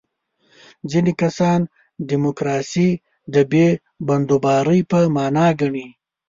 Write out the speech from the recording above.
ځینې کسان دیموکراسي د بې بندوبارۍ په معنا ګڼي.